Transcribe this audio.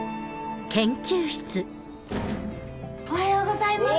おはようございます。